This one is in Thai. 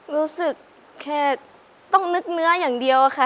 รู้สึกแค่ต้องนึกเนื้ออย่างเดียวค่ะ